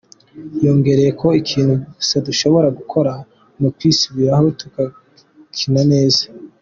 Yongeyeko ko:" Ikintu gusa dushobora gukora n'ukwisubirako tugakina neza.